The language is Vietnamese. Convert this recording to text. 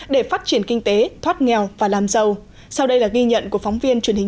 để phát triển kinh tế thoát nghèo và làm giàu sau đây là ghi nhận của phóng viên truyền hình